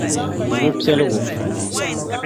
nyɔ' piɛligu.